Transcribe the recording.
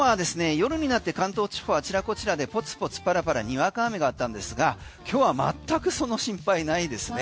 夜になって関東地方はあちらこちらでポツポツパラパラにわか雨があったんですが今日は全くその心配ないですね。